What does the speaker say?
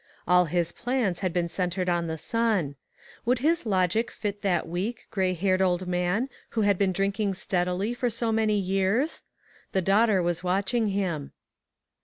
All his plans had been centred on the son. Would his logic fit that weak, gray haired old man who had been drinking steadily for so many years? The daughter was watching him.